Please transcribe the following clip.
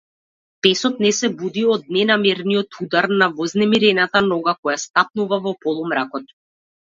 Песот не се буди од ненамерниот удар на вознемирената нога која стапнува во полумракот.